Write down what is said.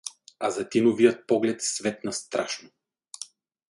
Азатиновият поглед светна страшно.